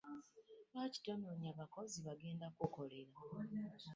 Lwaki tononya bakozi bagenda ku kukolera?